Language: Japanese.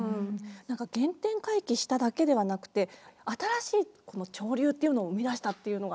原点回帰しただけではなくて新しい潮流っていうのを生み出したっていうのが。